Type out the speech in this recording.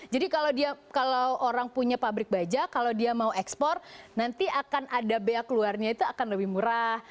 jadi kalau orang punya pabrik baja kalau dia mau ekspor nanti akan ada bea keluarnya itu akan lebih murah